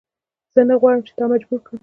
زه نه غواړم چې تا مجبور کړم.